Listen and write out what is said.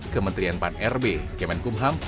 kementerian pan rb kemenkumham